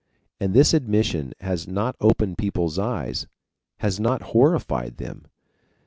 And this admission has not opened people's eyes, has not horrified them!